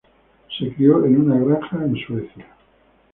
Se crio en una granja en Suecia.